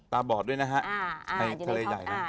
ตาบอดด้วยนะฮะให้ทะเลด่ายนะ